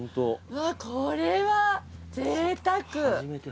これはぜいたく。